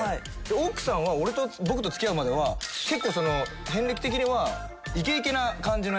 奥さんは俺と僕と付き合うまでは結構遍歴的にはイケイケな感じのやつ。